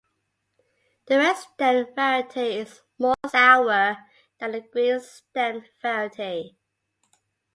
The red stemmed variety is more sour than the green stemmed variety.